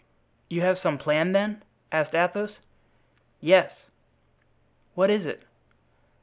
"You have some plan, then?" asked Athos. "Yes." "What is it?"